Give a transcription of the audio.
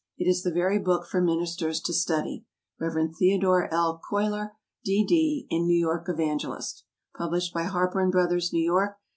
It is the very book for ministers to study. Rev. THEODORE L. CUYLER, D.D., in New York Evangelist. Published by HARPER & BROTHERS, New York.